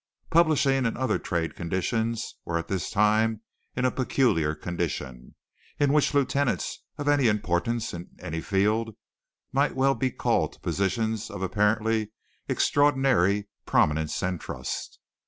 Publishing and other trade conditions were at this time in a peculiar condition, in which lieutenants of any importance in any field might well be called to positions of apparently extraordinary prominence and trust.